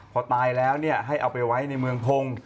พอตายแล้วให้เอาไปไว้ในเมืองพงศ์